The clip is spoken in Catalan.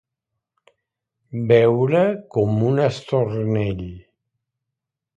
Beure com un estornell.